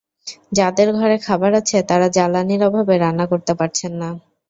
যাঁদের ঘরে খাবার আছে, তাঁরা জ্বালানির অভাবে রান্না করতে পারছেন না।